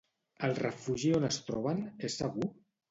El refugi on es troben, és segur?